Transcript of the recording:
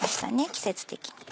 季節的に。